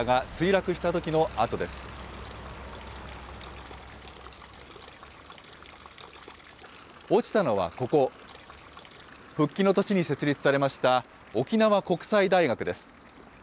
落ちたのはここ、復帰の年に設立されました、沖縄国際大学です。